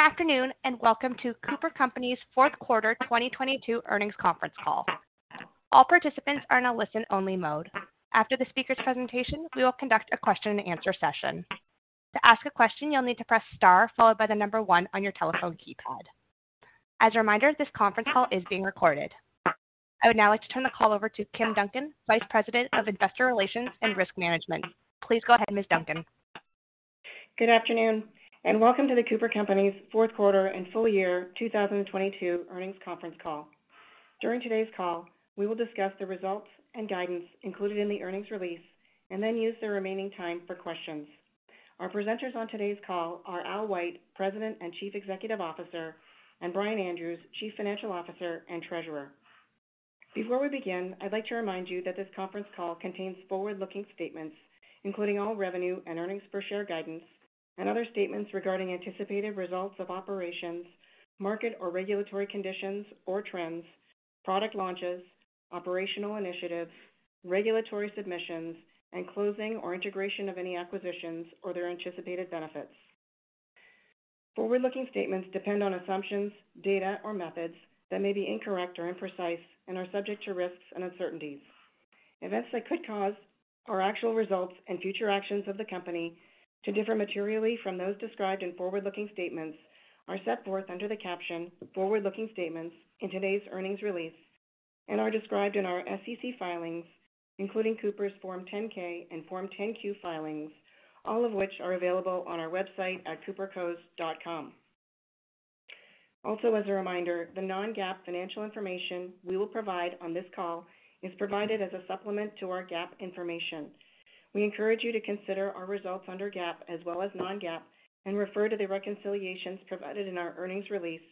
Good afternoon, and welcome to CooperCompanies' Fourth Quarter 2022 Earnings Conference Call. All participants are in a listen-only mode. After the speaker's presentation, we will conduct a question and answer session. To ask a question, you'll need to press star followed by the number one on your telephone keypad. As a reminder, this conference call is being recorded. I would now like to turn the call over to Kim Duncan, Vice President of Investor Relations and Risk Management. Please go ahead, Ms. Duncan. Good afternoon, and welcome to The Cooper Companies' Fourth Quarter and Full Year 2022 Earnings Conference Call. During today's call, we will discuss the results and guidance included in the earnings release and then use the remaining time for questions. Our presenters on today's call are Al White, President and Chief Executive Officer, and Brian Andrews, Chief Financial Officer and Treasurer. Before we begin, I'd like to remind you that this conference call contains forward-looking statements, including all revenue and earnings per share guidance and other statements regarding anticipated results of operations, market or regulatory conditions or trends, product launches, operational initiatives, regulatory submissions, and closing or integration of any acquisitions or their anticipated benefits. Forward-looking statements depend on assumptions, data, or methods that may be incorrect or imprecise and are subject to risks and uncertainties. Events that could cause our actual results and future actions of the company to differ materially from those described in forward-looking statements are set forth under the caption "Forward-Looking Statements" in today's earnings release and are described in our SEC filings, including Cooper's Form 10-K and Form 10-Q filings, all of which are available on our website at coopercos.com. As a reminder, the non-GAAP financial information we will provide on this call is provided as a supplement to our GAAP information. We encourage you to consider our results under GAAP as well as non-GAAP and refer to the reconciliations provided in our earnings release,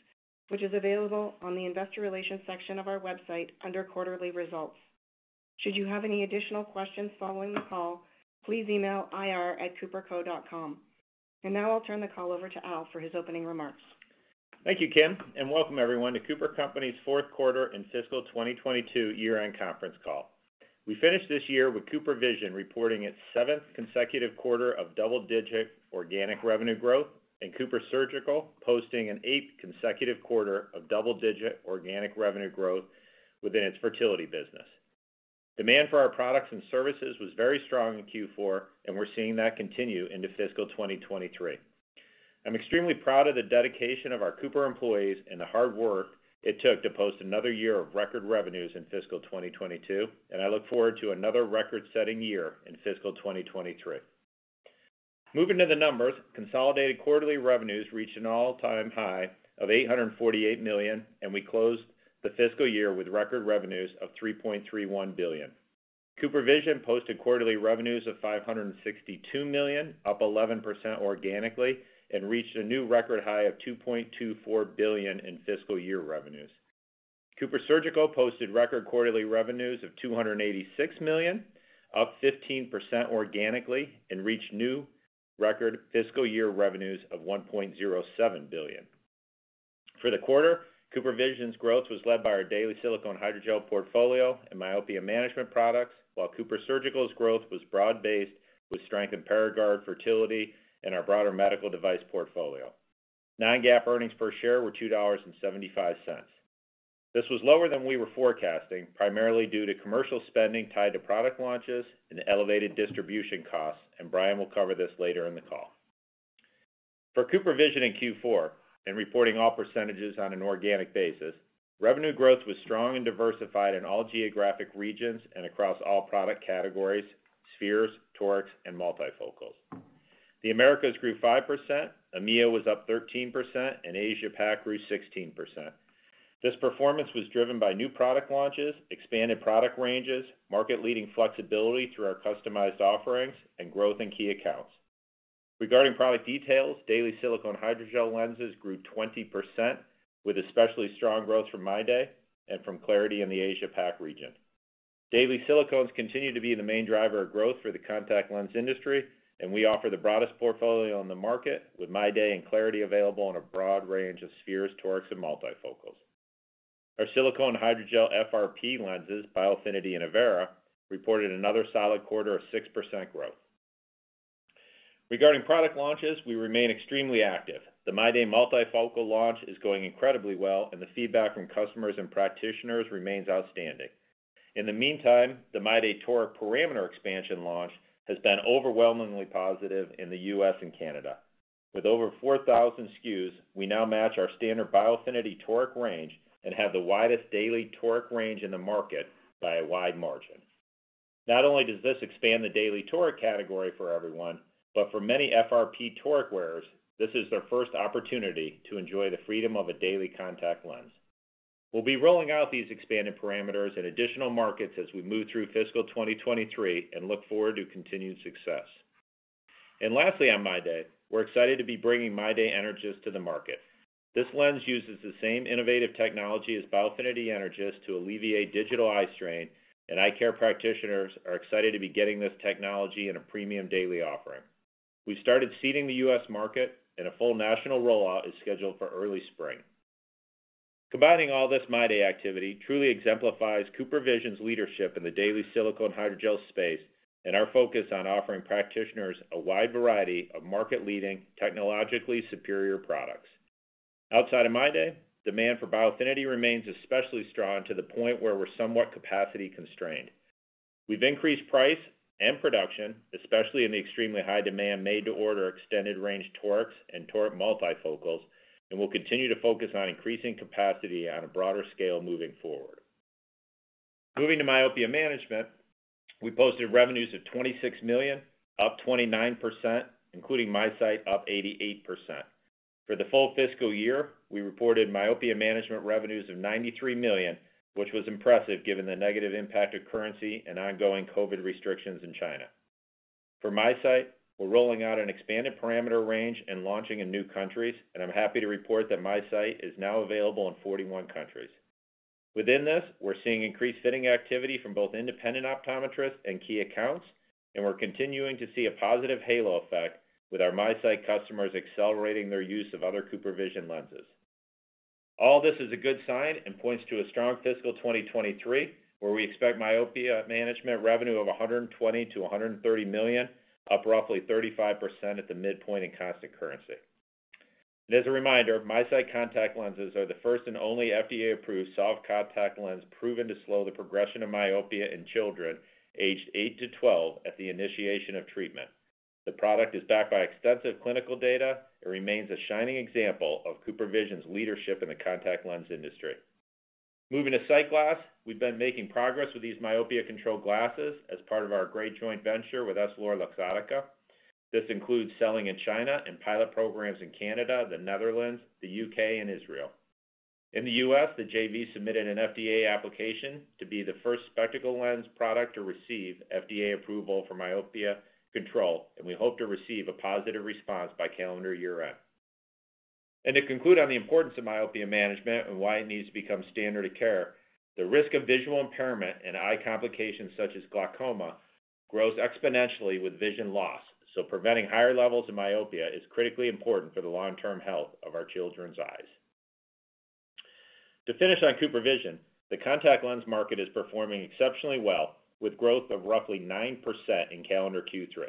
which is available on the investor relations section of our website under quarterly results. Should you have any additional questions following the call, please email ir@coopercos.com. Now I'll turn the call over to Al for his opening remarks. Thank you, Kim, and welcome everyone to CooperCompanies' Fourth Quarter and Fiscal 2022 Year-End Conference Call. We finished this year with CooperVision reporting its seventh consecutive quarter of double-digit organic revenue growth and CooperSurgical posting an eighth consecutive quarter of double-digit organic revenue growth within its fertility business. Demand for our products and services was very strong in Q4, and we're seeing that continue into fiscal 2023. I'm extremely proud of the dedication of our Cooper employees and the hard work it took to post another year of record revenues in fiscal 2022, and I look forward to another record-setting year in fiscal 2023. Moving to the numbers, consolidated quarterly revenues reached an all-time high of $848 million, and we closed the fiscal year with record revenues of $3.31 billion. CooperVision posted quarterly revenues of $562 million, up 11% organically, and reached a new record high of $2.24 billion in fiscal year revenues. CooperSurgical posted record quarterly revenues of $286 million, up 15% organically, and reached new record fiscal year revenues of $1.07 billion. For the quarter, CooperVision's growth was led by our daily silicone hydrogel portfolio and myopia management products, while CooperSurgical's growth was broad-based with strength in Paragard fertility and our broader medical device portfolio. Non-GAAP earnings per share were $2.75. This was lower than we were forecasting, primarily due to commercial spending tied to product launches and elevated distribution costs, and Brian will cover this later in the call. For CooperVision in Q4, and reporting all percentages on an organic basis, revenue growth was strong and diversified in all geographic regions and across all product categories, spheres, torics, and multifocals. The Americas grew 5%, EMEA was up 13%, and Asia-Pacific grew 16%. This performance was driven by new product launches, expanded product ranges, market-leading flexibility through our customized offerings, and growth in key accounts. Regarding product details, daily silicone hydrogel lenses grew 20% with especially strong growth from MyDay and from clariti in the Asia-Pacific region. Daily silicones continue to be the main driver of growth for the contact lens industry, and we offer the broadest portfolio on the market with MyDay and clariti available in a broad range of spheres, torics, and multifocals. Our silicone hydrogel FRP lenses, Biofinity and Avaira, reported another solid quarter of 6% growth. Regarding product launches, we remain extremely active. The MyDay multifocal launch is going incredibly well. The feedback from customers and practitioners remains outstanding. In the meantime, the MyDay toric parameter expansion launch has been overwhelmingly positive in the U.S. and Canada. With over 4,000 SKUs, we now match our standard Biofinity toric range and have the widest daily toric range in the market by a wide margin. Not only does this expand the daily toric category for everyone, but for many FRP toric wearers, this is their first opportunity to enjoy the freedom of a daily contact lens. We'll be rolling out these expanded parameters in additional markets as we move through fiscal 2023 and look forward to continued success. Lastly on MyDay, we're excited to be bringing MyDay Energys to the market. This lens uses the same innovative technology as Biofinity Energys to alleviate digital eye strain. Eye care practitioners are excited to be getting this technology in a premium daily offering. We started seeding the U.S. market. A full national rollout is scheduled for early spring. Combining all this MyDay activity truly exemplifies CooperVision's leadership in the daily silicone hydrogel space. Our focus on offering practitioners a wide variety of market-leading, technologically superior products. Outside of MyDay, demand for Biofinity remains especially strong to the point where we're somewhat capacity constrained. We've increased price and production, especially in the extremely high demand made to order extended range Torics and Toric multifocals. We'll continue to focus on increasing capacity on a broader scale moving forward. Moving to myopia management, we posted revenues of $26 million, up 29%, including MiSight up 88%. For the full fiscal year, we reported myopia management revenues of $93 million, which was impressive given the negative impact of currency and ongoing COVID restrictions in China. For MiSight, we're rolling out an expanded parameter range and launching in new countries, and I'm happy to report that MiSight is now available in 41 countries. Within this, we're seeing increased fitting activity from both independent optometrists and key accounts, and we're continuing to see a positive halo effect with our MiSight customers accelerating their use of other CooperVision lenses. All this is a good sign and points to a strong fiscal 2023, where we expect myopia management revenue of $120 million-$130 million, up roughly 35% at the midpoint in constant currency. As a reminder, MiSight contact lenses are the first and only FDA-approved soft contact lens proven to slow the progression of myopia in children aged eight to twelve at the initiation of treatment. The product is backed by extensive clinical data and remains a shining example of CooperVision's leadership in the contact lens industry. Moving to SightGlass, we've been making progress with these myopia control glasses as part of our great joint venture with EssilorLuxottica. This includes selling in China and pilot programs in Canada, The Netherlands, the U.K., and Israel. In the U.S., the JV submitted an FDA application to be the first spectacle lens product to receive FDA approval for myopia control, and we hope to receive a positive response by calendar year-end. To conclude on the importance of myopia management and why it needs to become standard of care, the risk of visual impairment and eye complications, such as glaucoma, grows exponentially with vision loss, so preventing higher levels of myopia is critically important for the long-term health of our children's eyes. To finish on CooperVision, the contact lens market is performing exceptionally well, with growth of roughly 9% in calendar Q3.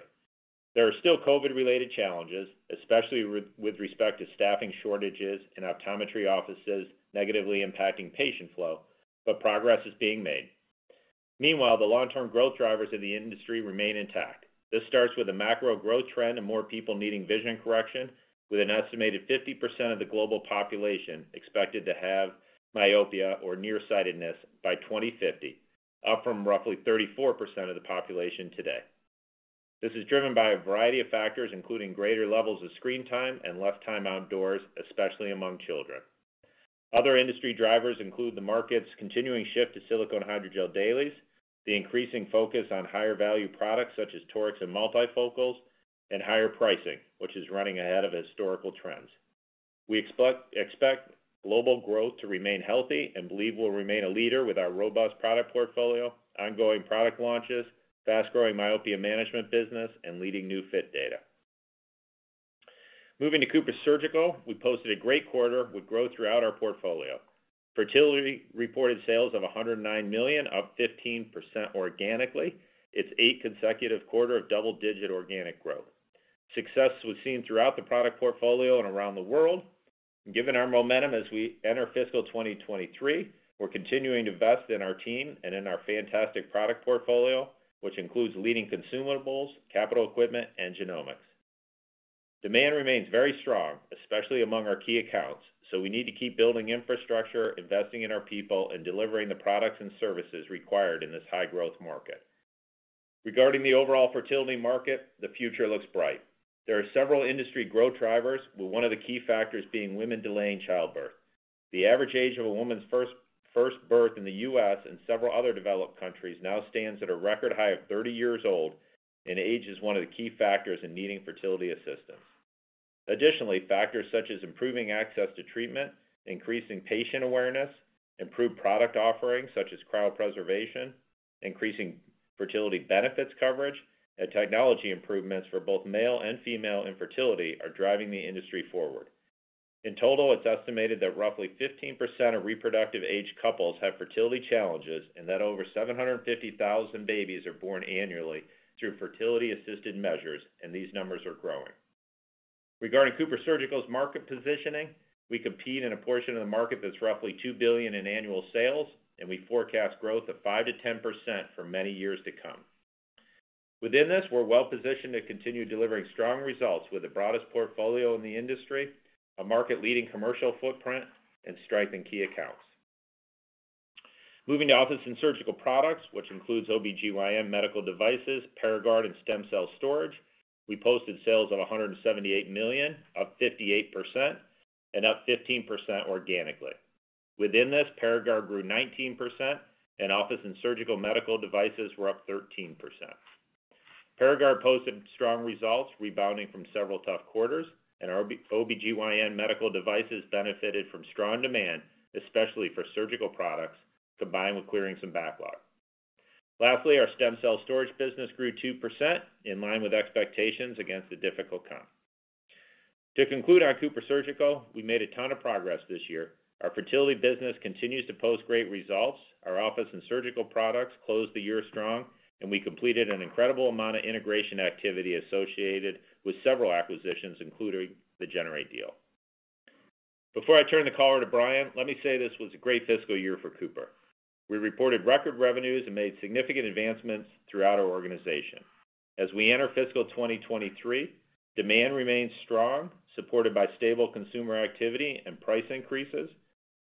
There are still COVID-related challenges, especially with respect to staffing shortages in optometry offices negatively impacting patient flow, but progress is being made. Meanwhile, the long-term growth drivers of the industry remain intact. This starts with a macro growth trend of more people needing vision correction, with an estimated 50% of the global population expected to have myopia or nearsightedness by 2050, up from roughly 34% of the population today. This is driven by a variety of factors, including greater levels of screen time and less time outdoors, especially among children. Other industry drivers include the market's continuing shift to silicone hydrogel dailies, the increasing focus on higher value products such as toric and multifocals, and higher pricing, which is running ahead of historical trends. We expect global growth to remain healthy and believe we'll remain a leader with our robust product portfolio, ongoing product launches, fast-growing myopia management business, and leading new fit data. Moving to CooperSurgical, we posted a great quarter with growth throughout our portfolio. Fertility reported sales of $109 million, up 15% organically. It's eight consecutive quarter of double-digit organic growth. Success was seen throughout the product portfolio and around the world. Given our momentum as we enter fiscal 2023, we're continuing to invest in our team and in our fantastic product portfolio, which includes leading consumables, capital equipment, and genomics. Demand remains very strong, especially among our key accounts, we need to keep building infrastructure, investing in our people, and delivering the products and services required in this high-growth market. Regarding the overall fertility market, the future looks bright. There are several industry growth drivers, with one of the key factors being women delaying childbirth. The average age of a woman's first birth in the U.S. and several other developed countries now stands at a record high of 30 years old, age is one of the key factors in needing fertility assistance. Additionally, factors such as improving access to treatment, increasing patient awareness, improved product offerings such as cryopreservation, increasing fertility benefits coverage, and technology improvements for both male and female infertility are driving the industry forward. In total, it's estimated that roughly 15% of reproductive age couples have fertility challenges and that over 750,000 babies are born annually through fertility assisted measures, and these numbers are growing. Regarding CooperSurgical's market positioning, we compete in a portion of the market that's roughly $2 billion in annual sales, and we forecast growth of 5%-10% for many years to come. Within this, we're well-positioned to continue delivering strong results with the broadest portfolio in the industry, a market-leading commercial footprint, and strength in key accounts. Moving to office and surgical products, which includes OB/GYN medical devices, Paragard, and stem cell storage, we posted sales of $178 million, up 58% and up 15% organically. Within this, Paragard grew 19% and office and surgical medical devices were up 13%. Paragard posted strong results rebounding from several tough quarters, and OB/GYN medical devices benefited from strong demand, especially for surgical products, combined with clearing some backlog. Lastly, our stem cell storage business grew 2% in line with expectations against a difficult comp. To conclude on CooperSurgical, we made a ton of progress this year. Our fertility business continues to post great results. Our office and surgical products closed the year strong, and we completed an incredible amount of integration activity associated with several acquisitions, including the Generate deal. Before I turn the call over to Brian, let me say this was a great fiscal year for Cooper. We reported record revenues and made significant advancements throughout our organization. As we enter fiscal 2023, demand remains strong, supported by stable consumer activity and price increases.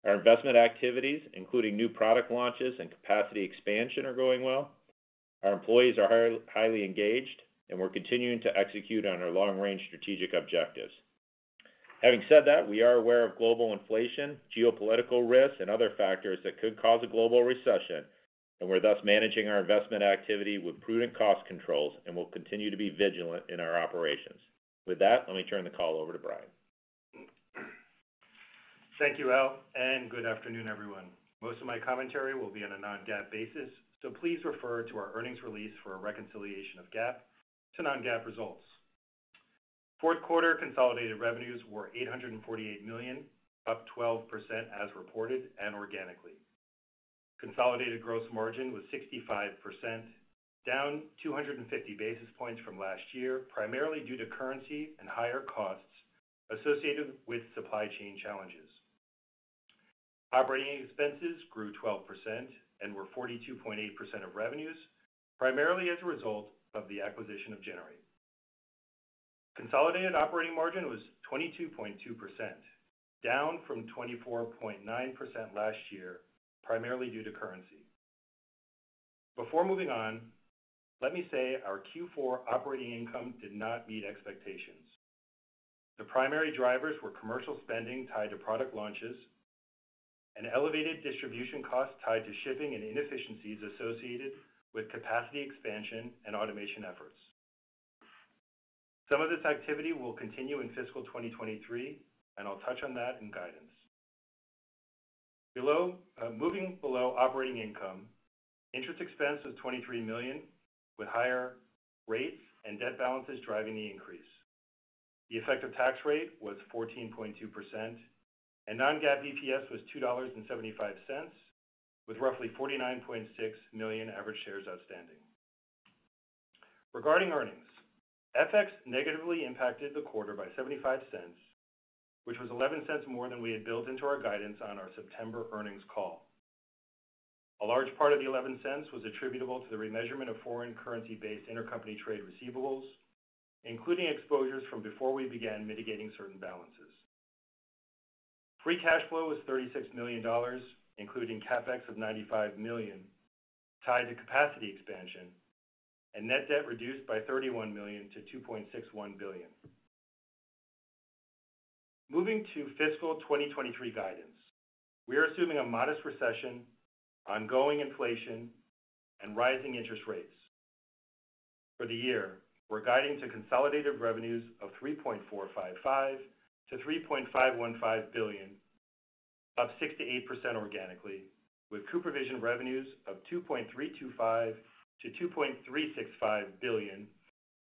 Our investment activities, including new product launches and capacity expansion, are going well. Our employees are highly engaged. We're continuing to execute on our long-range strategic objectives. Having said that, we are aware of global inflation, geopolitical risks, and other factors that could cause a global recession. We're thus managing our investment activity with prudent cost controls and will continue to be vigilant in our operations. With that, let me turn the call over to Brian. Thank you, Al, and good afternoon, everyone. Most of my commentary will be on a non-GAAP basis, so please refer to our earnings release for a reconciliation of GAAP to non-GAAP results. Fourth quarter consolidated revenues were $848 million, up 12% as reported and organically. Consolidated gross margin was 65%, down 250 basis points from last year, primarily due to currency and higher costs associated with supply chain challenges. Operating expenses grew 12% and were 42.8% of revenues, primarily as a result of the acquisition of Generate. Consolidated operating margin was 22.2%, down from 24.9% last year, primarily due to currency. Before moving on, let me say our Q4 operating income did not meet expectations. The primary drivers were commercial spending tied to product launches and elevated distribution costs tied to shipping and inefficiencies associated with capacity expansion and automation efforts. Some of this activity will continue in fiscal 2023, I'll touch on that in guidance. Moving below operating income, interest expense was $23 million, with higher rates and debt balances driving the increase. The effective tax rate was 14.2%, non-GAAP EPS was $2.75, with roughly 49.6 million average shares outstanding. Regarding earnings, FX negatively impacted the quarter by $0.75, which was $0.11 more than we had built into our guidance on our September earnings call. A large part of the $0.11 was attributable to the remeasurement of foreign currency-based intercompany trade receivables, including exposures from before we began mitigating certain balances. Free cash flow was $36 million, including CapEx of $95 million tied to capacity expansion. Net debt reduced by $31 million to $2.61 billion. Moving to fiscal 2023 guidance, we are assuming a modest recession, ongoing inflation, and rising interest rates. For the year, we're guiding to consolidated revenues of $3.455 billion-$3.515 billion, up 6%-8% organically, with CooperVision revenues of $2.325 billion-$2.365 billion,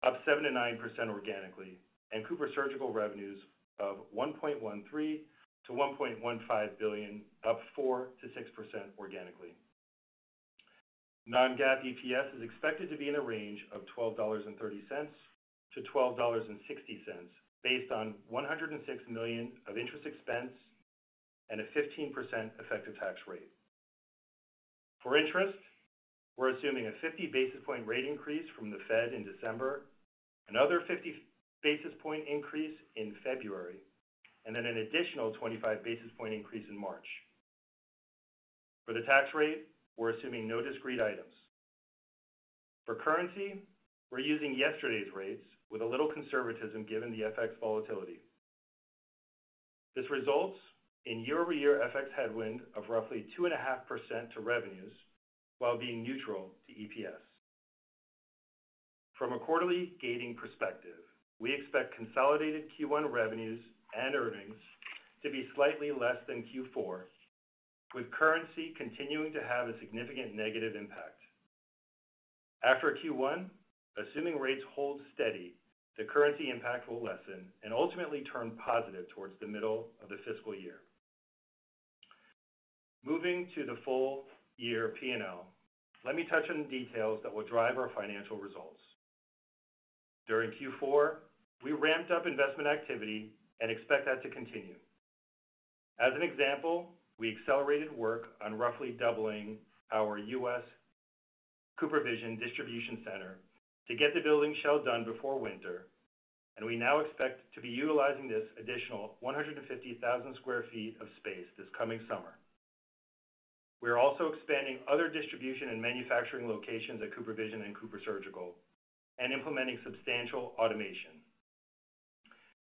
up 7%-9% organically, and CooperSurgical revenues of $1.13 billion-$1.15 billion, up 4%-6% organically. Non-GAAP EPS is expected to be in a range of $12.30-$12.60, based on $106 million of interest expense and a 15% effective tax rate. For interest, we're assuming a 50 basis point rate increase from the Fed in December, another 50 basis point increase in February, and then an additional 25 basis point increase in March. For the tax rate, we're assuming no discrete items. For currency, we're using yesterday's rates with a little conservatism given the FX volatility. This results in year-over-year FX headwind of roughly 2.5% to revenues while being neutral to EPS. From a quarterly gating perspective, we expect consolidated Q1 revenues and earnings to be slightly less than Q4, with currency continuing to have a significant negative impact. After Q1, assuming rates hold steady, the currency impact will lessen and ultimately turn positive towards the middle of the fiscal year. Moving to the full year P&L, let me touch on the details that will drive our financial results. During Q4, we ramped up investment activity and expect that to continue. As an example, we accelerated work on roughly doubling our U.S. CooperVision distribution center to get the building shell done before winter, and we now expect to be utilizing this additional 150,000 sq ft of space this coming summer. We are also expanding other distribution and manufacturing locations at CooperVision and CooperSurgical and implementing substantial automation.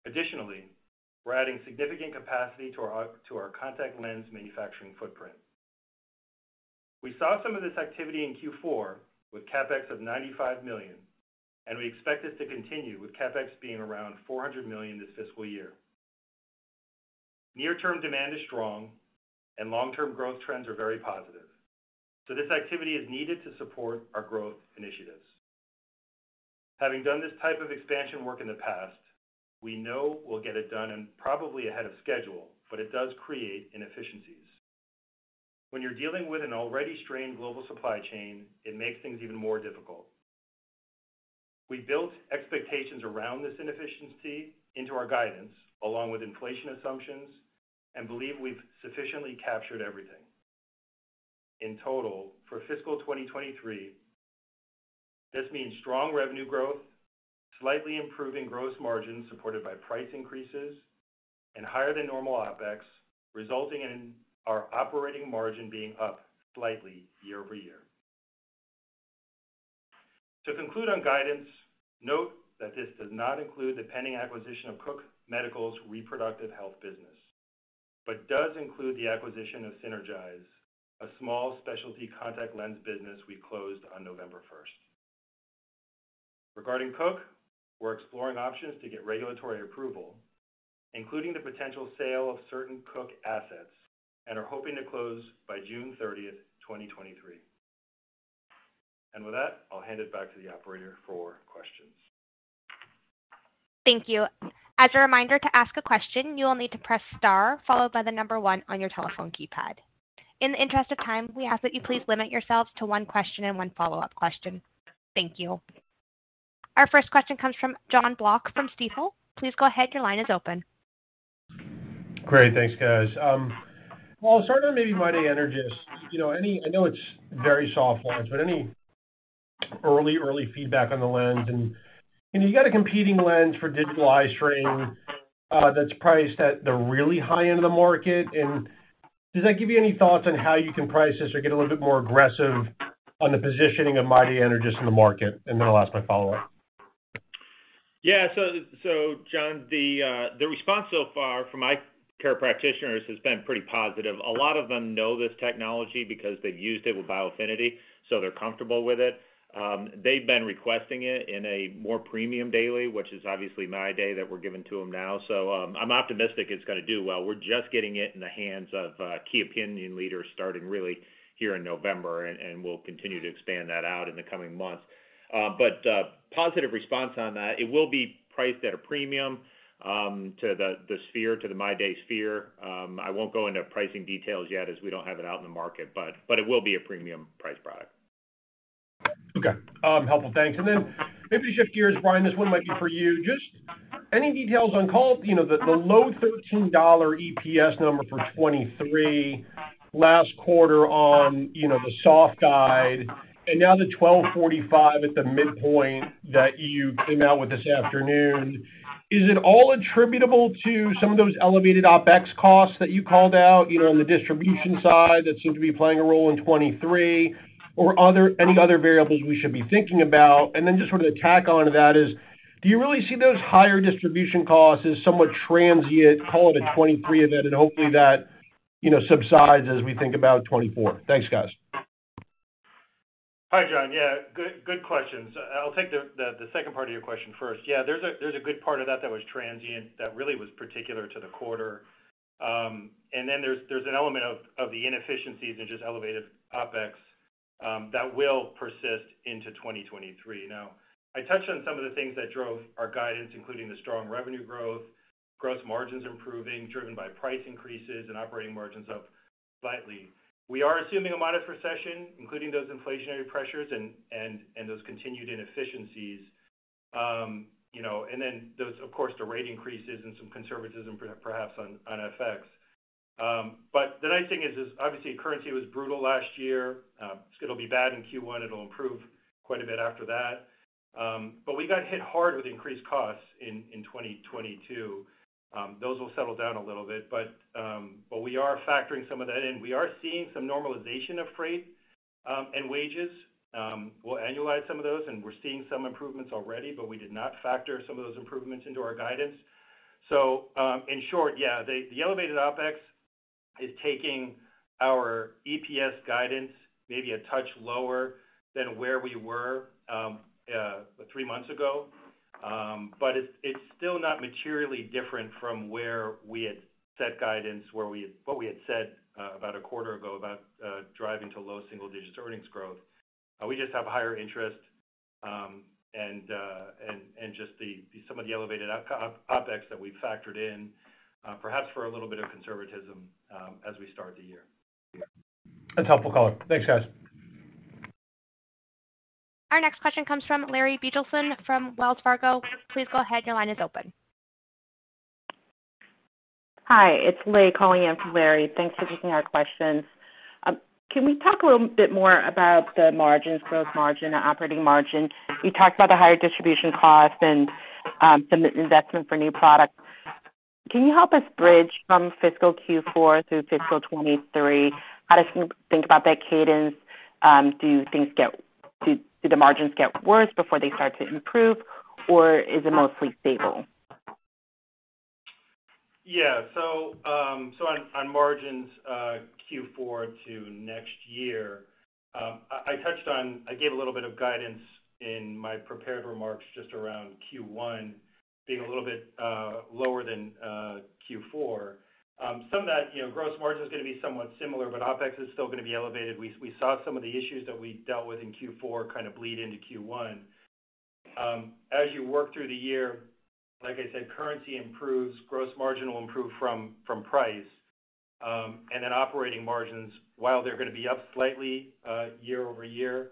Additionally, we're adding significant capacity to our contact lens manufacturing footprint. We saw some of this activity in Q4 with CapEx of $95 million. We expect this to continue with CapEx being around $400 million this fiscal year. Near-term demand is strong. Long-term growth trends are very positive. This activity is needed to support our growth initiatives. Having done this type of expansion work in the past, we know we'll get it done and probably ahead of schedule. It does create inefficiencies. When you're dealing with an already strained global supply chain, it makes things even more difficult. We built expectations around this inefficiency into our guidance, along with inflation assumptions. Believe we've sufficiently captured everything. In total, for fiscal 2023, this means strong revenue growth, slightly improving gross margin supported by price increases. Higher than normal OpEx, resulting in our operating margin being up slightly year-over-year. To conclude on guidance, note that this does not include the pending acquisition of Cook Medical's reproductive health business, but does include the acquisition of SynergEyes, a small specialty contact lens business we closed on November first. Regarding Cook, we're exploring options to get regulatory approval, including the potential sale of certain Cook assets and are hoping to close by June thirtieth, 2023. With that, I'll hand it back to the operator for questions. Thank you. As a reminder to ask a question, you will need to press star followed by the number one on your telephone keypad. In the interest of time, we ask that you please limit yourselves to one question and one follow-up question. Thank you. Our first question comes from Jonathan Block from Stifel. Please go ahead. Your line is open. Great. Thanks, guys. well, I'll start on maybe MyDay Energys. You know, I know it's very soft launch, but any early feedback on the lens. You know, you got a competing lens for digital eye strain, that's priced at the really high end of the market. Does that give you any thoughts on how you can price this or get a little bit more aggressive on the positioning of MyDay Energys in the market? I'll ask my follow-up. John, the response so far from eye care practitioners has been pretty positive. A lot of them know this technology because they've used it with Biofinity, so they're comfortable with it. They've been requesting it in a more premium daily, which is obviously MyDay that we're giving to them now. I'm optimistic it's gonna do well. We're just getting it in the hands of key opinion leaders starting really here in November, and we'll continue to expand that out in the coming months. Positive response on that. It will be priced at a premium to the sphere, to the MyDay sphere. I won't go into pricing details yet as we don't have it out in the market, but it will be a premium price product. Okay. Helpful. Thanks. Maybe shift gears, Brian, this one might be for you. Just any details on call, you know, the low $13 EPS number for 2023 last quarter on, you know, the soft guide and now the $12.45 at the midpoint that you came out with this afternoon. Is it all attributable to some of those elevated OpEx costs that you called out, you know, on the distribution side that seem to be playing a role in 2023 or any other variables we should be thinking about? Just sort of tack on to that is, do you really see those higher distribution costs as somewhat transient, call it a 2023 event, and hopefully that, you know, subsides as we think about 2024? Thanks, guys. Hi, Jon. Yeah, good questions. I'll take the second part of your question first. There's an element of the inefficiencies and just elevated OpEx that will persist into 2023. Now, I touched on some of the things that drove our guidance, including the strong revenue growth, gross margins improving, driven by price increases and operating margins up slightly. We are assuming a modest recession, including those inflationary pressures and those continued inefficiencies. You know, those, of course, the rate increases and some conservatism perhaps on FX. The nice thing is obviously currency was brutal last year. It's gonna be bad in Q1. It'll improve quite a bit after that. We got hit hard with increased costs in 2022. Those will settle down a little bit, we are factoring some of that in. We are seeing some normalization of freight and wages. We'll annualize some of those, and we're seeing some improvements already, we did not factor some of those improvements into our guidance. In short, yeah, the elevated OpEx is taking our EPS guidance maybe a touch lower than where we were three months ago. It's still not materially different from where we had set guidance, what we had said about a quarter ago about driving to low single digits earnings growth. We just have higher interest, and just some of the elevated OpEx that we've factored in, perhaps for a little bit of conservatism, as we start the year. That's helpful color. Thanks, guys. Our next question comes from Larry Biegelsen from Wells Fargo. Please go ahead. Your line is open. Hi, it's Leigh calling in from Larry. Thanks for taking our questions. Can we talk a little bit more about the margins, gross margin, operating margin? You talked about the higher distribution costs and the investment for new products. Can you help us bridge from fiscal Q4 through fiscal 2023? How to think about that cadence? Do the margins get worse before they start to improve, or is it mostly stable? Yeah. on margins, Q4 to next year I gave a little bit of guidance in my prepared remarks just around Q1 being a little bit lower than Q4. Some of that, you know, gross margin is gonna be somewhat similar, but OpEx is still gonna be elevated. We saw some of the issues that we dealt with in Q4 kind of bleed into Q1. As you work through the year, like I said, currency improves, gross margin will improve from price. And then operating margins, while they're gonna be up slightly year-over-year,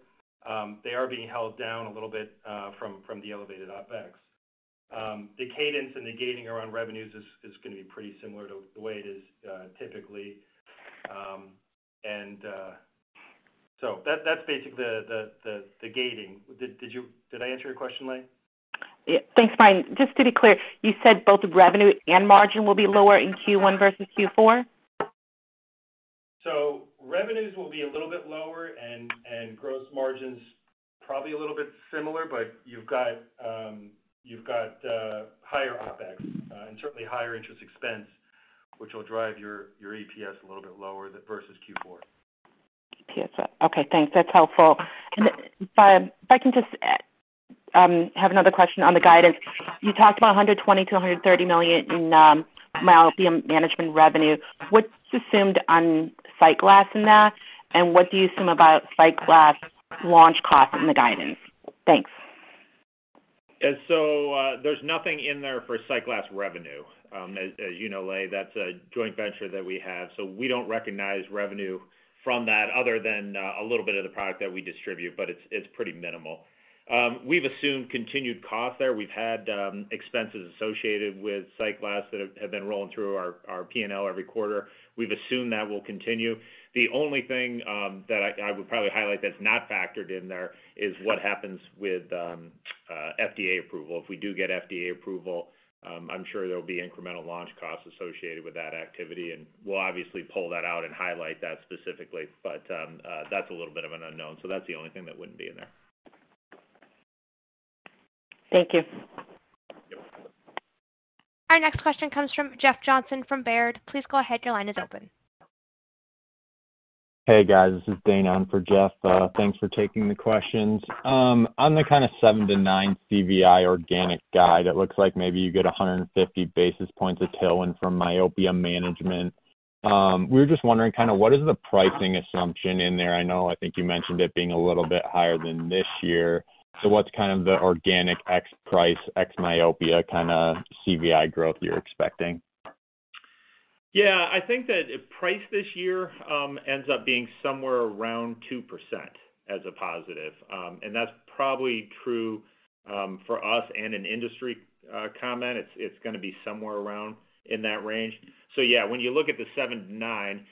they are being held down a little bit from the elevated OpEx. The cadence and the gating around revenues is gonna be pretty similar to the way it is typically. That's basically the gating. Did I answer your question, Leigh? Yeah. Thanks, Brian. Just to be clear, you said both revenue and margin will be lower in Q1 versus Q4? Revenues will be a little bit lower and gross margins probably a little bit similar, but you've got higher OpEx and certainly higher interest expense, which will drive your EPS a little bit lower versus Q4. EPS. Okay, thanks. That's helpful. If I can just have another question on the guidance. You talked about $120 million-$130 million in myopia management revenue. What's assumed on SightGlass in that? What do you assume about SightGlass launch costs in the guidance? Thanks. Yeah. There's nothing in there for SightGlass revenue. As you know, Leigh, that's a joint venture that we have, so we don't recognize revenue from that other than a little bit of the product that we distribute, but it's pretty minimal. We've assumed continued cost there. We've had expenses associated with SightGlass that have been rolling through our P&L every quarter. We've assumed that will continue. The only thing that I would probably highlight that's not factored in there is what happens with FDA approval. If we do get FDA approval, I'm sure there'll be incremental launch costs associated with that activity, and we'll obviously pull that out and highlight that specifically. That's a little bit of an unknown, so that's the only thing that wouldn't be in there. Thank you. Yep. Our next question comes from Jeff Johnson from Baird. Please go ahead. Your line is open. Hey, guys. This is Dane in for Jeff. Thanks for taking the questions. On the kinda 7-9 CVI Organic guide, it looks like maybe you get 150 basis points of tailwind from myopia management. We're just wondering kinda what is the pricing assumption in there? I know I think you mentioned it being a little bit higher than this year. What's kind of the Organic x price, x myopia kinda CVI growth you're expecting? Yeah. I think that if price this year, ends up being somewhere around 2% as a positive, and that's probably true, for us and an industry, comment. It's gonna be somewhere around in that range. Yeah, when you look at the 7-9,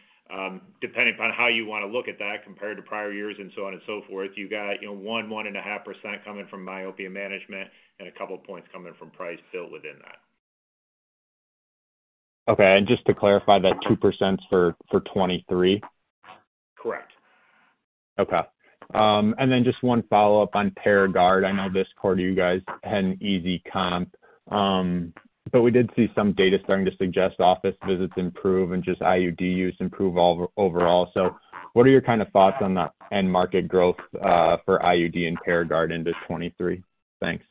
depending upon how you wanna look at that compared to prior years and so on and so forth, you got, you know, 1.5% coming from myopia management and a couple of points coming from price fill within that. Okay. Just to clarify, that 2% for 2023? Correct. Okay. Then just one follow-up on Paragard. I know this quarter you guys had an easy comp, we did see some data starting to suggest office visits improve and just IUD use improve overall. What are your kind of thoughts on the end market growth for IUD and Paragard into 2023? Thanks.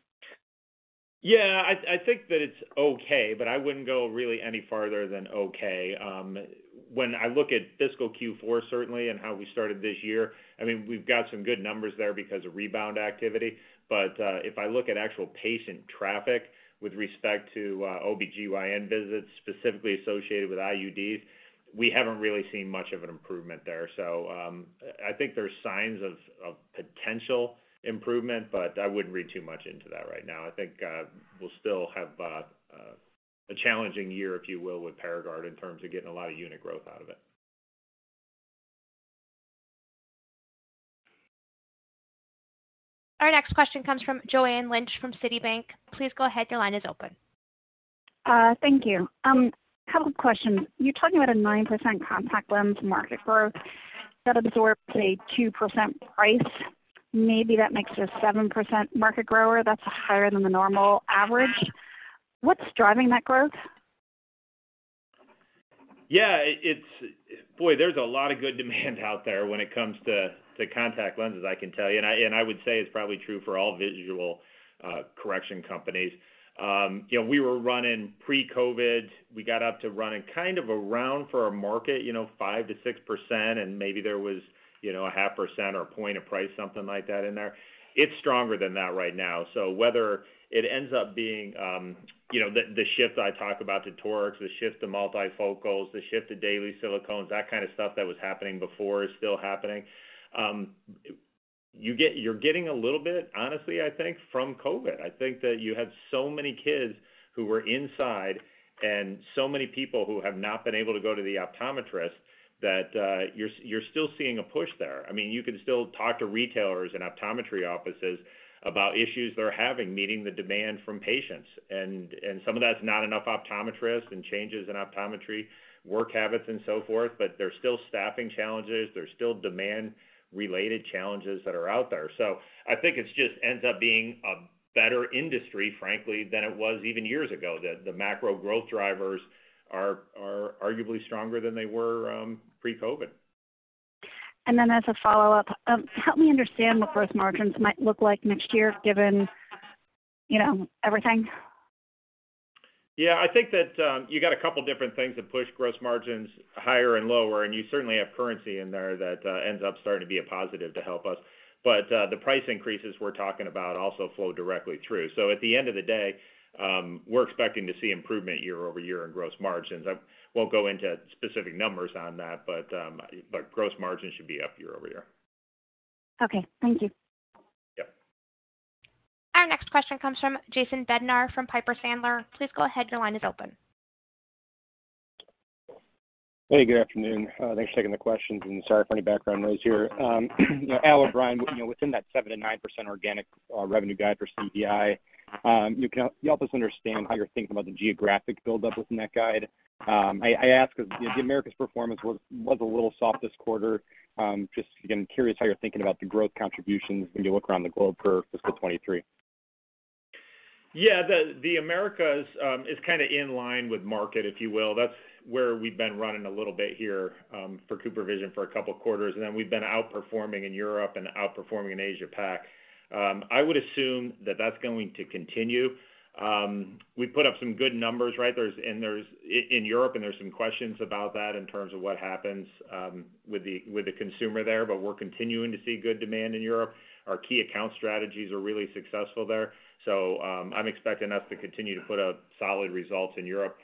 I think that it's okay, but I wouldn't go really any farther than okay. When I look at fiscal Q4 certainly and how we started this year, I mean, we've got some good numbers there because of rebound activity. If I look at actual patient traffic with respect to OB/GYN visits, specifically associated with IUDs, we haven't really seen much of an improvement there. I think there's signs of potential improvement, but I wouldn't read too much into that right now. I think we'll still have a challenging year, if you will, with Paragard in terms of getting a lot of unit growth out of it. Our next question comes from Joanne Wuensch from Citigroup. Please go ahead. Your line is open. Thank you. Couple of questions. You're talking about a 9% contact lens market growth that absorbs a 2% price. Maybe that makes it a 7% market grower. That's higher than the normal average. What's driving that growth? Boy, there's a lot of good demand out there when it comes to contact lenses, I can tell you. I would say it's probably true for all visual correction companies. You know, we were running pre-COVID. We got up to running kind of around for our market, you know, 5%-6%, and maybe there was, you know, 0.5% or 1 point of price, something like that in there. It's stronger than that right now. Whether it ends up being, you know, the shift I talk about to torics, the shift to multifocals, the shift to daily silicones, that kind of stuff that was happening before is still happening. You're getting a little bit, honestly, I think, from COVID. I think that you had so many kids who were inside and so many people who have not been able to go to the optometrist that you're still seeing a push there. I mean, you can still talk to retailers and optometry offices about issues they're having meeting the demand from patients. Some of that's not enough optometrists and changes in optometry work habits and so forth, but there's still staffing challenges. There's still demand-related challenges that are out there. I think it just ends up being a better industry, frankly, than it was even years ago. The macro growth drivers are arguably stronger than they were pre-COVID. As a follow-up, help me understand what gross margins might look like next year given, you know, everything. Yeah, I think that, you got a couple different things that push gross margins higher and lower, and you certainly have currency in there that ends up starting to be a positive to help us. The price increases we're talking about also flow directly through. At the end of the day, we're expecting to see improvement year-over-year in gross margins. I won't go into specific numbers on that, but gross margins should be up year-over-year. Okay, thank you. Yep. Our next question comes from Jason Bednar from Piper Sandler. Please go ahead, your line is open. Hey, good afternoon. Thanks for taking the questions, and sorry for any background noise here. Al, Brian, you know, within that 7%-9% Organic revenue guide for CVI, can you help us understand how you're thinking about the geographic build-up within that guide? I ask 'cause, you know, the Americas performance was a little soft this quarter. Just, again, curious how you're thinking about the growth contributions when you look around the globe for fiscal 2023. Yeah. The Americas is kinda in line with market, if you will. That's where we've been running a little bit here, for CooperVision for two quarters. We've been outperforming in Europe and outperforming in Asia-Pacific. I would assume that that's going to continue. We put up some good numbers, right? There's in Europe, and there's some questions about that in terms of what happens, with the consumer there, but we're continuing to see good demand in Europe. Our key account strategies are really successful there. I'm expecting us to continue to put up solid results in Europe.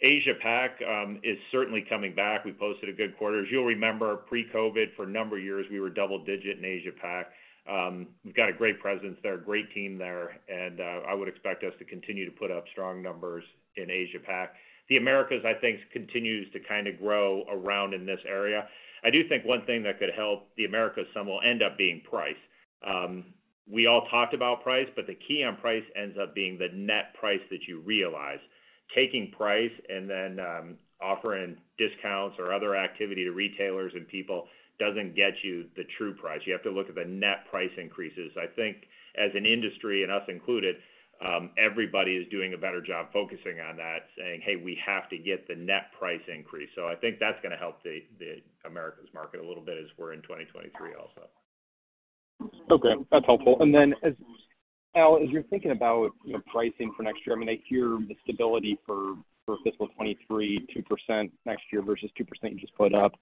Asia-Pacific, is certainly coming back. We posted a good quarter. As you'll remember, pre-COVID, for a number of years, we were double-digit in Asia-Pacific. We've got a great presence there, a great team there, and I would expect us to continue to put up strong numbers in Asia-Pacific. The Americas, I think, continues to kinda grow around in this area. I do think one thing that could help the Americas some will end up being price. We all talked about price. The key on price ends up being the net price that you realize. Taking price and then offering discounts or other activity to retailers and people doesn't get you the true price. You have to look at the net price increases. I think as an industry, and us included, everybody is doing a better job focusing on that, saying, "Hey, we have to get the net price increase." I think that's gonna help the Americas market a little bit as we're in 2023 also. Okay, that's helpful. Al, as you're thinking about, you know, pricing for next year, I mean, I hear the stability for fiscal 2023, 2% next year versus 2% you just put up.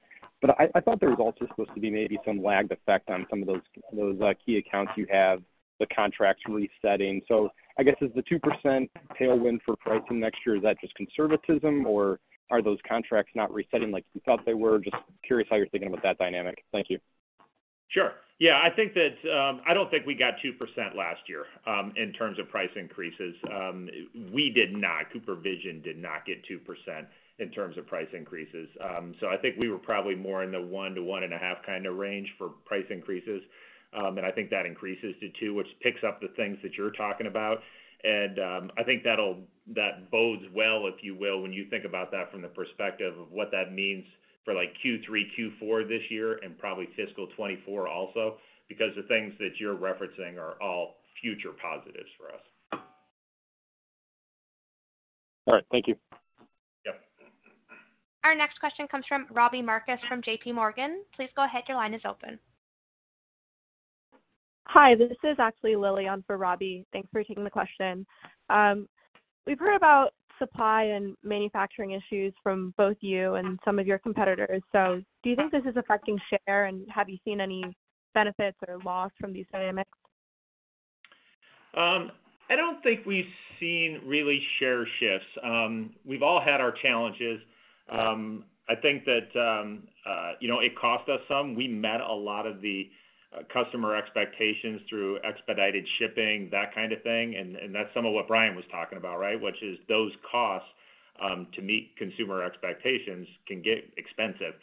I thought there was also supposed to be maybe some lagged effect on some of those key accounts you have, the contracts resetting. I guess, is the 2% tailwind for pricing next year, is that just conservatism, or are those contracts not resetting like you thought they were? Just curious how you're thinking about that dynamic. Thank you. Sure. Yeah, I think that I don't think we got 2% last year in terms of price increases. We did not. CooperVision did not get 2% in terms of price increases. I think we were probably more in the 1% to 1.5% kinda range for price increases. I think that increases to 2%, which picks up the things that you're talking about. I think that bodes well, if you will, when you think about that from the perspective of what that means for, like, Q3, Q4 this year, and probably fiscal 2024 also, because the things that you're referencing are all future positives for us. All right, thank you. Yep. Our next question comes from Robbie Marcus from J.P. Morgan. Please go ahead, your line is open. Hi, this is actually Lilia on for Robbie. Thanks for taking the question. We've heard about supply and manufacturing issues from both you and some of your competitors. Do you think this is affecting share, and have you seen any benefits or loss from these dynamics? I don't think we've seen really share shifts. We've all had our challenges. I think that, you know, it cost us some. We met a lot of the customer expectations through expedited shipping, that kind of thing, that's some of what Brian was talking about, right? Which is those costs to meet consumer expectations can get expensive.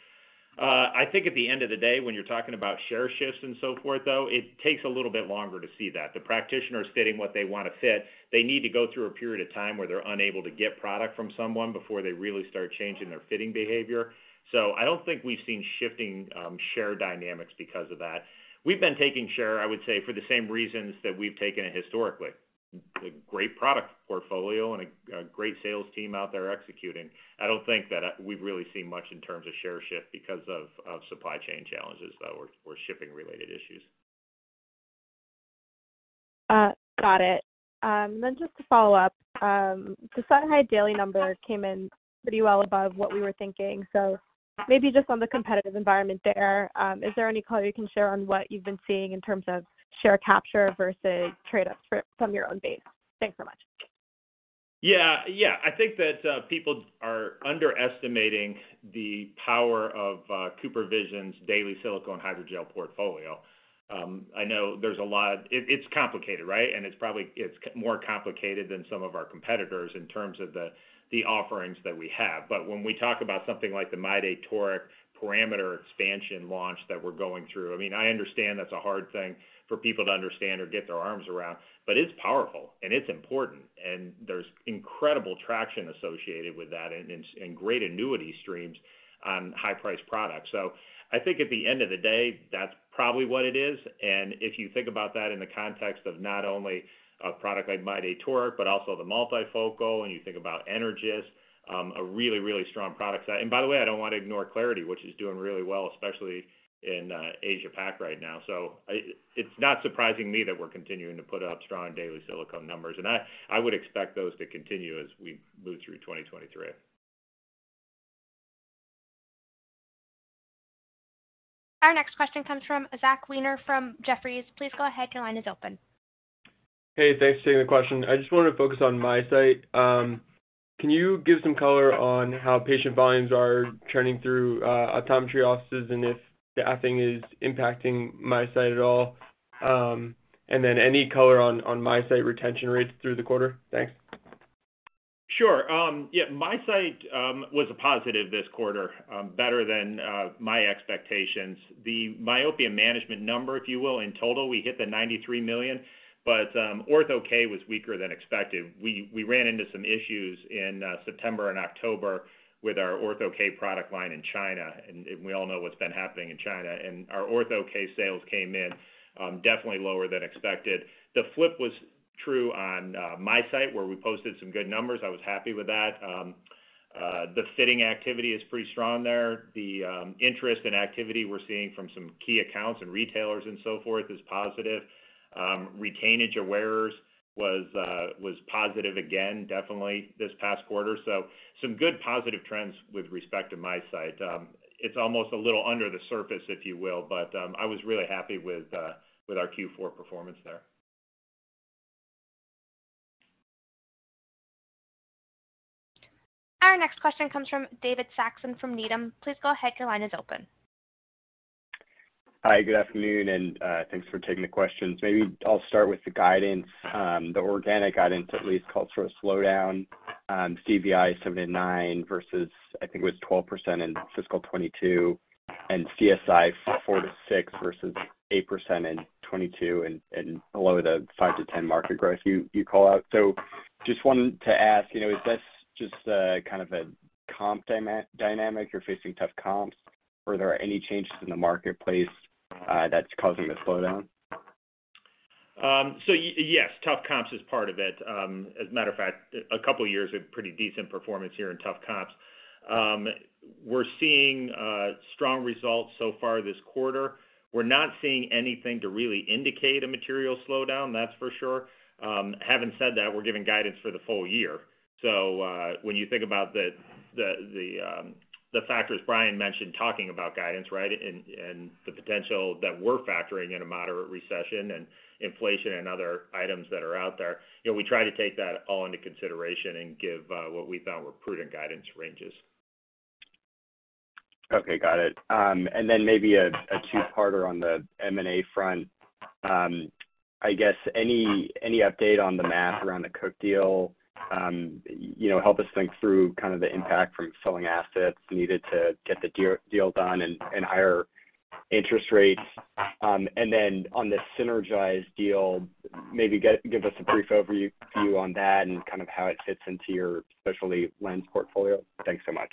I think at the end of the day, when you're talking about share shifts and so forth, though, it takes a little bit longer to see that. The practitioner is fitting what they wanna fit. They need to go through a period of time where they're unable to get product from someone before they really start changing their fitting behavior. I don't think we've seen shifting share dynamics because of that. We've been taking share, I would say, for the same reasons that we've taken it historically. A great product portfolio and a great sales team out there executing. I don't think that we've really seen much in terms of share shift because of supply chain challenges or shipping-related issues. Got it. Just to follow up, the silicone hydrogel daily number came in pretty well above what we were thinking. Maybe just on the competitive environment there, is there any color you can share on what you've been seeing in terms of share capture versus trade-ups from your own base? Thanks so much. Yeah. Yeah. I think that people are underestimating the power of CooperVision's daily silicone hydrogel portfolio. I know there's a lot... It's complicated, right? It's probably more complicated than some of our competitors in terms of the offerings that we have. When we talk about something like the MyDay Toric parameter expansion launch that we're going through, I mean, I understand that's a hard thing for people to understand or get their arms around, but it's powerful. It's important, and there's incredible traction associated with that and great annuity streams on high-priced products. I think at the end of the day, that's probably what it is. If you think about that in the context of not only a product like MyDay Toric but also the multifocal, and you think about Energys, a really strong product set. By the way, I don't want to ignore clariti, which is doing really well, especially in Asia-Pacific right now. It's not surprising me that we're continuing to put up strong daily silicone numbers, I would expect those to continue as we move through 2023. Our next question comes from Zachary Weiner from Jefferies. Please go ahead. Your line is open. Hey, thanks for taking the question. I just wanna focus on MiSight. Can you give some color on how patient volumes are churning through optometry offices and if staffing is impacting MiSight at all? Any color on MiSight retention rates through the quarter? Thanks. Sure. MiSight was a positive this quarter, better than my expectations. The myopia management number, if you will, in total, we hit the $93 million. Ortho-K was weaker than expected. We ran into some issues in September and October with our Ortho-K product line in China, and we all know what's been happening in China. Our Ortho-K sales came in definitely lower than expected. The flip was true on MiSight, where we posted some good numbers. I was happy with that. The fitting activity is pretty strong there. The interest and activity we're seeing from some key accounts and retailers and so forth is positive. Retainage of wearers was positive again, definitely this past quarter. Some good positive trends with respect to MiSight. It's almost a little under the surface, if you will, but I was really happy with our Q4 performance there. Our next question comes from David Saxon from Needham. Please go ahead. Your line is open. Hi, good afternoon, thanks for taking the questions. Maybe I'll start with the guidance. The organic guidance at least calls for a slowdown, CVI 7%-9% versus, I think, it was 12% in fiscal 2022, and CSI 4%-6% versus 8% in 2022 and below the 5%-10% market growth you call out. Just wanted to ask, you know, is this just a kind of a comp dynamic, you're facing tough comps? Or are there any changes in the marketplace that's causing the slowdown? Yes, tough comps is part of it. As a matter of fact, a couple of years of pretty decent performance here in tough comps. We're seeing strong results so far this quarter. We're not seeing anything to really indicate a material slowdown, that's for sure. Having said that, we're giving guidance for the full year. When you think about the factors Brian mentioned talking about guidance, right, and the potential that we're factoring in a moderate recession and inflation and other items that are out there, you know, we try to take that all into consideration and give what we thought were prudent guidance ranges. Okay, got it. Maybe a two-parter on the M&A front. I guess any update on the math around the Cook deal? you know, help us think through kind of the impact from selling assets needed to get the deal done and higher interest rates. On the SynergEyes deal, maybe give us a brief overview on that and kind of how it fits into your specialty lens portfolio. Thanks so much.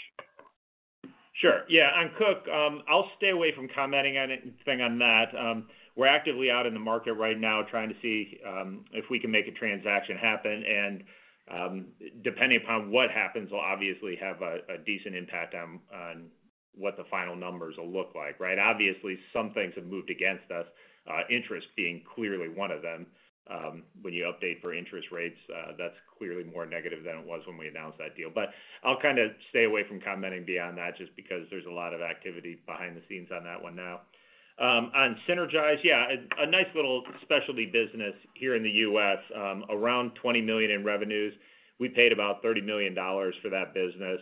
Sure. Yeah, on Cook, I'll stay away from commenting anything on that. We're actively out in the market right now trying to see if we can make a transaction happen. Depending upon what happens, will obviously have a decent impact on what the final numbers will look like, right? Obviously, some things have moved against us, interest being clearly one of them. When you update for interest rates, that's clearly more negative than it was when we announced that deal. I'll kinda stay away from commenting beyond that just because there's a lot of activity behind the scenes on that one now. On SynergEyes, yeah, a nice little specialty business here in the U.S., around $20 million in revenues. We paid about $30 million for that business.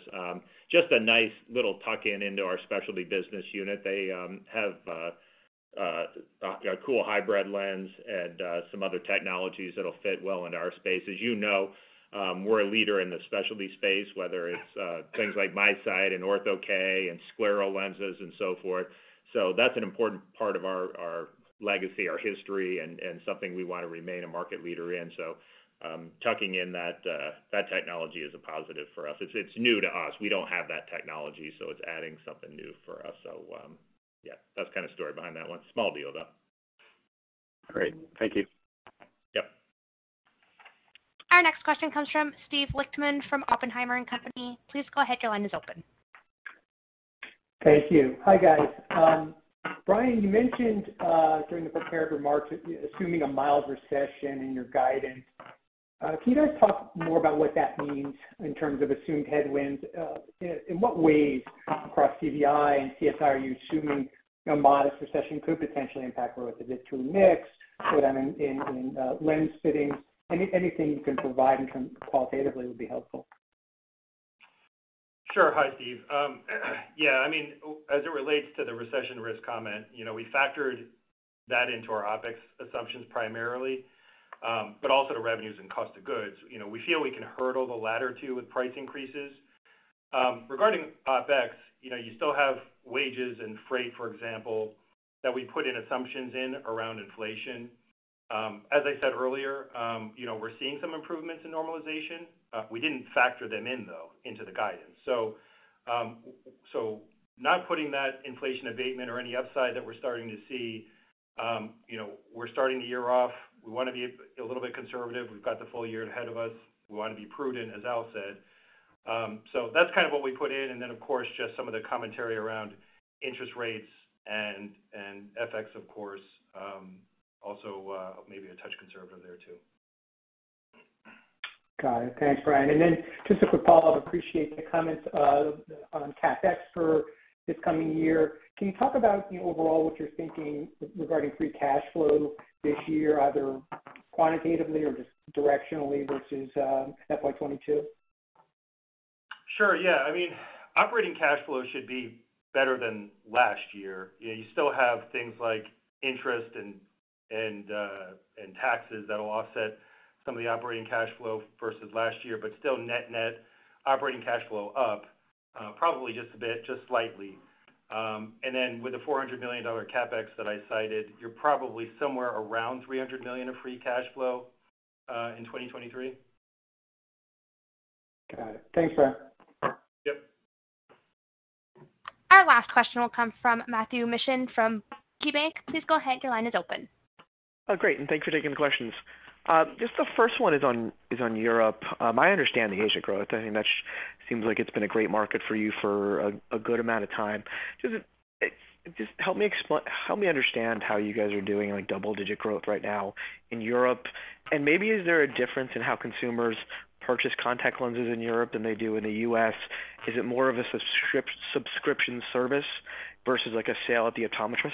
Just a nice little tuck-in into our specialty business unit. They have a cool hybrid lens and some other technologies that'll fit well into our space. As you know, we're a leader in the specialty space, whether it's things like MiSight and Ortho-K and scleral lenses and so forth. That's an important part of our legacy, our history, and something we wanna remain a market leader in. Tucking in that technology is a positive for us. It's new to us. We don't have that technology, so it's adding something new for us. Yeah, that's kind of story behind that one. Small deal, though. Great. Thank you. Yep. Our next question comes from Steve Lichtman from Oppenheimer and Company. Please go ahead, your line is open. Thank you. Hi, guys. Brian, you mentioned during the prepared remarks, assuming a mild recession in your guidance. Can you guys talk more about what that means in terms of assumed headwinds? In what ways across CVI and CooperSurgical are you assuming a mild recession could potentially impact growth, a bit to mix, put them in lens fittings? Anything you can provide in terms of qualitatively would be helpful. Sure. Hi, Steve. Yeah, I mean, as it relates to the recession risk comment, you know, we factored that into our OpEx assumptions primarily, but also the revenues and cost of goods. You know, we feel we can hurdle the latter two with price increases. Regarding OpEx, you know, you still have wages and freight, for example, that we put in assumptions in around inflation. As I said earlier, you know, we're seeing some improvements in normalization. We didn't factor them in though, into the guidance. So not putting that inflation abatement or any upside that we're starting to see, you know, we're starting the year off, we wanna be a little bit conservative. We've got the full year ahead of us. We wanna be prudent, as Al said. That's kind of what we put in, and then, of course, just some of the commentary around interest rates and FX, of course, also, maybe a touch conservative there too. Got it. Thanks, Brian. Just a quick follow-up. Appreciate the comments on CapEx for this coming year. Can you talk about overall what you're thinking regarding free cash flow this year, either quantitatively or just directionally versus FY 22? Sure, yeah. I mean, operating cash flow should be better than last year. You know, you still have things like interest and taxes that'll offset some of the operating cash flow versus last year. Still net-net operating cash flow up, probably just a bit, just slightly. With the $400 million CapEx that I cited, you're probably somewhere around $300 million of free cash flow in 2023. Got it. Thanks, Brian. Yep. Our last question will come from Matthew Mishan from KeyBank. Please go ahead. Your line is open. Great, thanks for taking the questions. Just the first one is on Europe. I understand the Asia growth. I think seems like it's been a great market for you for a good amount of time. Just help me understand how you guys are doing like double-digit growth right now in Europe. Maybe is there a difference in how consumers purchase contact lenses in Europe than they do in the U.S.? Is it more of a subscription service versus like a sale at the optometrist?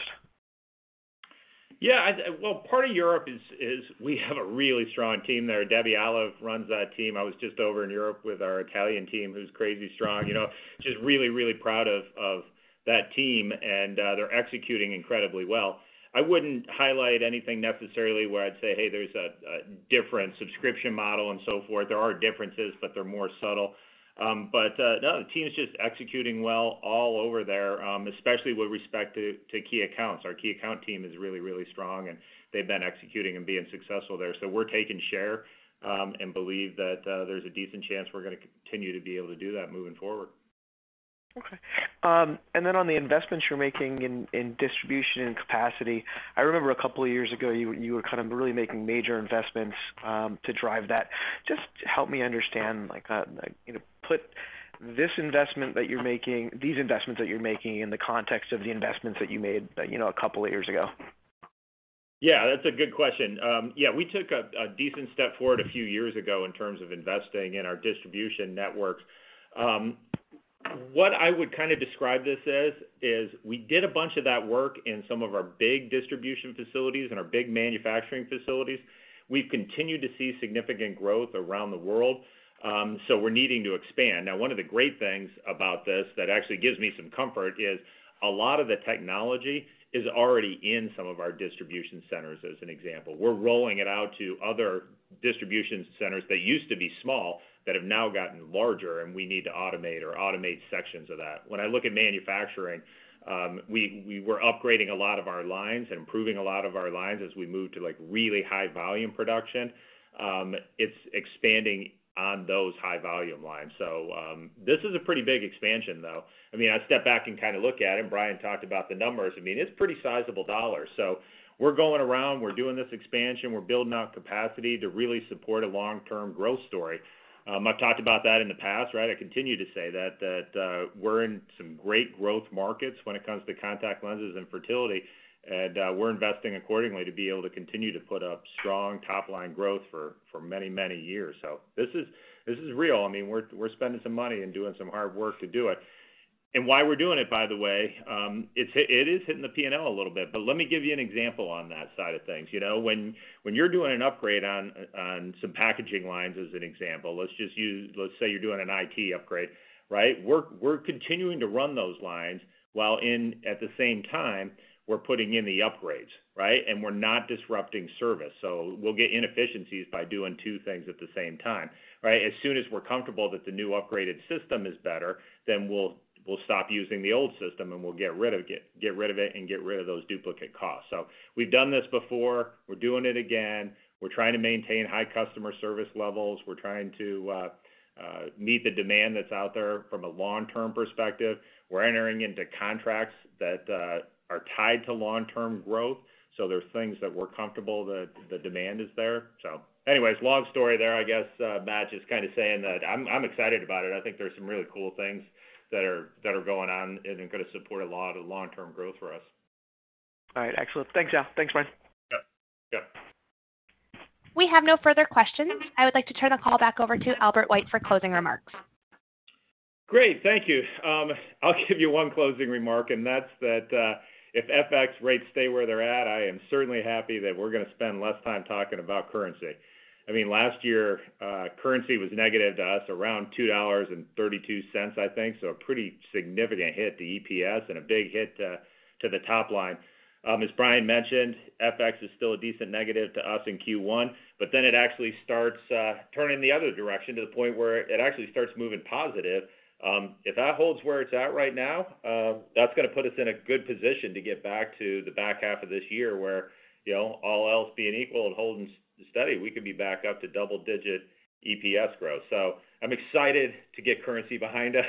Well, part of Europe is we have a really strong team there. Debbie Olive runs that team. I was just over in Europe with our Italian team, who's crazy strong. You know, just really, really proud of that team, and they're executing incredibly well. I wouldn't highlight anything necessarily where I'd say, "Hey, there's a different subscription model," and so forth. There are differences, but they're more subtle. No, the team is just executing well all over there, especially with respect to key accounts. Our key account team is really, really strong, and they've been executing and being successful there. We're taking share, and believe that there's a decent chance we're gonna continue to be able to do that moving forward. Okay. Then on the investments you're making in distribution and capacity, I remember a couple of years ago, you were kind of really making major investments to drive that. Just help me understand, like, you know, put these investments that you're making in the context of the investments that you made, you know, a couple of years ago. Yeah, that's a good question. Yeah, we took a decent step forward a few years ago in terms of investing in our distribution networks. What I would kind of describe this as is we did a bunch of that work in some of our big distribution facilities and our big manufacturing facilities. We've continued to see significant growth around the world, we're needing to expand. One of the great things about this that actually gives me some comfort is a lot of the technology is already in some of our distribution centers, as an example. We're rolling it out to other distribution centers that used to be small, that have now gotten larger, and we need to automate sections of that. When I look at manufacturing, we were upgrading a lot of our lines and improving a lot of our lines as we moved to, like, really high volume production. It's expanding on those high volume lines. This is a pretty big expansion, though. I mean, I step back and kinda look at it, and Brian talked about the numbers. I mean, it's pretty sizable dollars. We're going around, we're doing this expansion, we're building out capacity to really support a long-term growth story. I've talked about that in the past, right? I continue to say that, we're in some great growth markets when it comes to contact lenses and fertility, and we're investing accordingly to be able to continue to put up strong top-line growth for many, many years. This is real. I mean, we're spending some money and doing some hard work to do it. Why we're doing it, by the way, it is hitting the P&L a little bit, but let me give you an example on that side of things. You know, when you're doing an upgrade on some packaging lines, as an example, Let's say you're doing an IT upgrade, right? We're continuing to run those lines at the same time, we're putting in the upgrades, right? We're not disrupting service. We'll get inefficiencies by doing two things at the same time, right? As soon as we're comfortable that the new upgraded system is better, then we'll stop using the old system, and we'll get rid of it and get rid of those duplicate costs. We've done this before. We're doing it again. We're trying to maintain high customer service levels. We're trying to meet the demand that's out there from a long-term perspective. We're entering into contracts that are tied to long-term growth. There's things that we're comfortable that the demand is there. Anyways, long story there, I guess, Matt, just kinda saying that I'm excited about it. I think there's some really cool things that are going on and are gonna support a lot of long-term growth for us. All right. Excellent. Thanks, Al. Thanks, Brian. Yep. Yep. We have no further questions. I would like to turn the call back over to Albert White for closing remarks. Great. Thank you. I'll give you one closing remark, and that's that, if FX rates stay where they're at, I am certainly happy that we're gonna spend less time talking about currency. I mean, last year, currency was negative to us, around $2.32, I think. A pretty significant hit to EPS and a big hit to the top line. As Brian mentioned, FX is still a decent negative to us in Q1, but then it actually starts turning the other direction to the point where it actually starts moving positive. If that holds where it's at right now, that's gonna put us in a good position to get back to the back half of this year where, you know, all else being equal and holding steady, we could be back up to double-digit EPS growth. I'm excited to get currency behind us.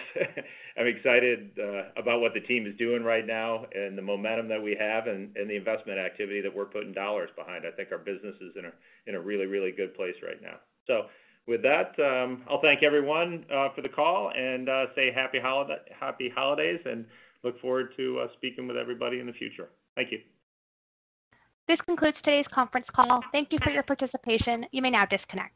I'm excited about what the team is doing right now and the momentum that we have and the investment activity that we're putting dollars behind. I think our business is in a really, really good place right now. With that, I'll thank everyone for the call and say happy holidays and look forward to speaking with everybody in the future. Thank you. This concludes today's conference call. Thank you for your participation. You may now disconnect.